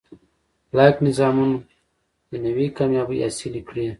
لاییک نظامونه دنیوي کامیابۍ حاصلې کړي.